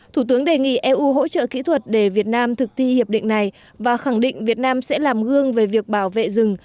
thủ tướng đề nghị eu hỗ trợ kỹ thuật để việt nam thực thi hiệp định này và khẳng định việt nam sẽ làm gương về việc bảo vệ rừng